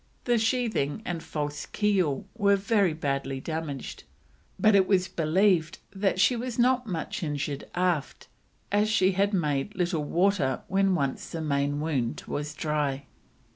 The sheathing and false keel were very badly damaged, but it was believed that she was not much injured aft, as she made but little water when once the main wound was dry.